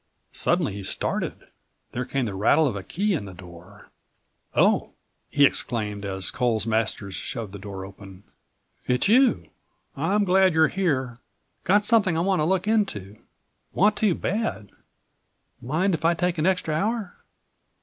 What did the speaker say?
Suddenly he started. There came the rattle of a key in the door. "Oh!" he exclaimed as Coles Masters shoved the door open, "it's you. I'm glad you're here. Got something I want to look into. Want to bad. Mind if I take an extra hour?"